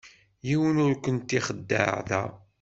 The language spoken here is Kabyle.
Yiwen ur kent-ixeddeε da.